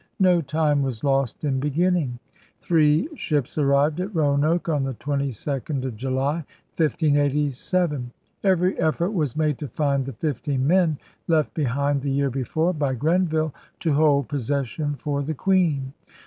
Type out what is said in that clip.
No time was lost in beginning. Three ships arrived at Roanoke on the 22nd of July, 1587. Every effort was made to find the fifteen men left behind the year before by Grenville to hold possession for the Queen.